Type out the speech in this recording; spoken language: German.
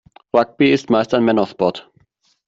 Rugby ist meist ein Männersport.